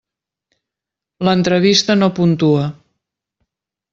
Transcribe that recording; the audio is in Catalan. L'entrevista no puntua.